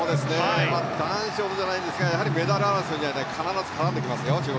男子ほどじゃないですがメダル争いには必ず絡んできますよ。